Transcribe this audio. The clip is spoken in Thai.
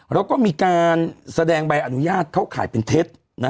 แล้วก็มีการแสดงใบอนุญาตเข้าข่ายเป็นเท็จ